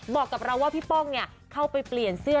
บอกกับเราว่าพี่ป้องเข้าไปเปลี่ยนเสื้อ